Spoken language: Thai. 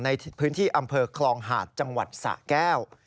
ในพื้นที่อำเภอคลองหาดจังหวัดสะแก้ว